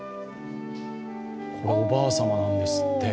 これ、おばあさまなんですって。